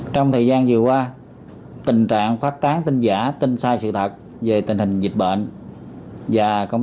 trong thời gian vừa qua tình trạng phát tán tin giả tin sai sự thật về tình hình dịch bệnh và công